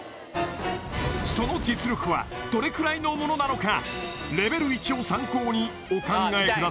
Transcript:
その実力はどれくらいのものなのか？